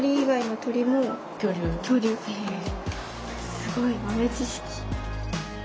すごい豆知識。